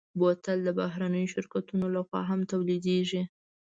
بوتل د بهرنيو شرکتونو لهخوا هم تولیدېږي.